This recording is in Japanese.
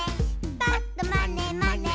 「ぱっとまねまね」